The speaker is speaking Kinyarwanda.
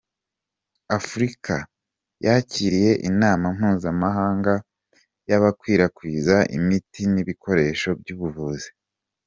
Afurika yakiriye inama mpuzamahanga y’abakwirakwiza imiti n’ibikoresho by’ubuvuzi